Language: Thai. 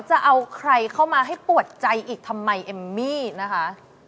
จะเอาใครเข้ามาให้ปวดใจอีกทำไมเอมมี่นะคะ